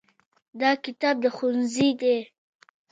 دا کتاب د ښوونځي دی.